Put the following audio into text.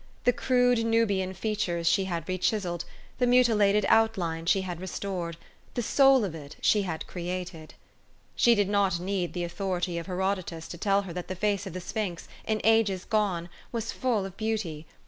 The crude Nubian features she had rechiselled, the mutilated outline she had restored ; the soul of it she had created. She did not need the authority of Herodotus to tell her that the face of the sphinx, in ages gone, was full of beauty.